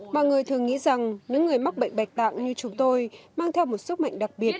mọi người thường nghĩ rằng những người mắc bệnh bạch tạng như chúng tôi mang theo một sức mạnh đặc biệt